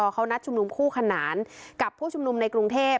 เขานัดชุมนุมคู่ขนานกับผู้ชุมนุมในกรุงเทพ